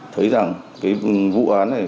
thấy rằng vụ án này